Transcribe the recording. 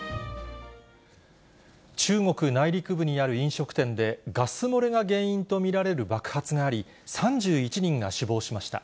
中国内陸部にある飲食店で、ガス漏れが原因と見られる爆発があり、３１人が死亡しました。